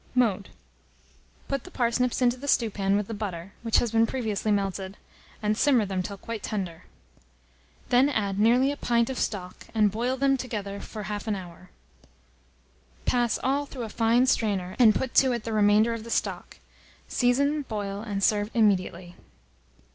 Mode. Put the parsnips into the stewpan with the butter, which has been previously melted, and simmer them till quite tender. Then add nearly a pint of stock, and boil together for half an hour. Pass all through a fine strainer, and put to it the remainder of the stock. Season, boil, and serve immediately.